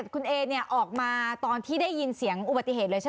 คุณเอเนี่ยออกมาตอนที่ได้ยินเสียงอุบัติเหตุเลยใช่ไหม